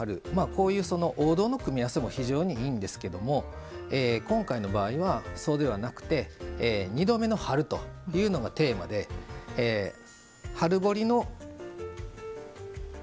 王道の組み合わせも非常にいいんですけども今回の場合はそうではなくて「２度目の春」というのがテーマで春掘りのジャーン！